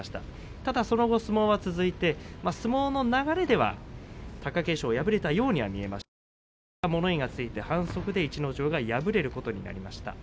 ただその後、相撲は続いて相撲の流れでは貴景勝が敗れたようには見えましたが結果、物言いがついて反則で逸ノ城が敗れることになりました。